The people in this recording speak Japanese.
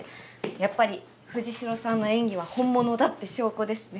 やっぱり藤代さんの演技は本物だって証拠ですね。